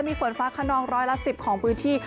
มีฝนฟ้าขนองร้อยละ๑๐ของพื้นที่